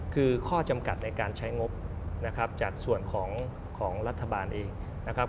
คือข้อจำกัดในการใช้งบนะครับจากส่วนของรัฐบาลเองนะครับ